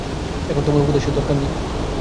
এখন তোমার উপদেশের দরকার নেই?